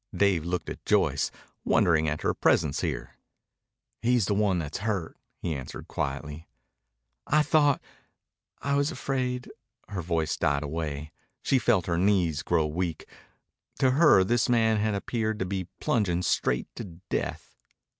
Dave looked at Joyce, wondering at her presence here. "He's the one that's hurt," he answered quietly. "I thought I was afraid " Her voice died away. She felt her knees grow weak. To her this man had appeared to be plunging straight to death.